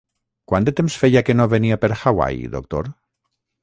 Quant de temps feia que no venia per Hawaii, doctor?